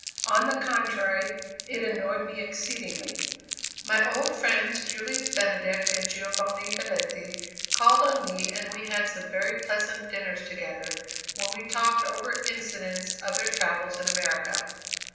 On the contrary it annoyed me exceedingly. My old friends Julius Benedict and Giovanni Belletti, called on me and we had some very pleasant dinners together, when we talked over incidents of their travels in America.